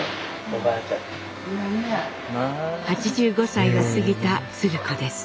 ８５歳を過ぎた鶴子です。